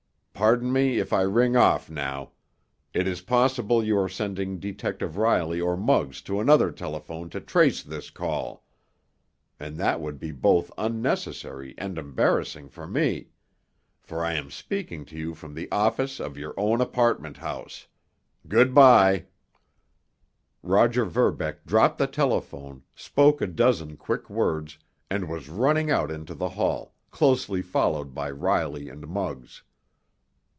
Pardon me if I ring off now. It is possible you are sending Detective Riley or Muggs to another telephone to trace this call. And that would be both unnecessary and embarrassing for me. For I am speaking to you from the office of your own apartment house. Good by!" Roger Verbeck dropped the telephone, spoke a dozen quick words, and was running out into the hall, closely followed by Riley and Muggs.